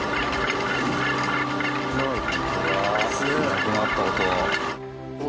なくなった音。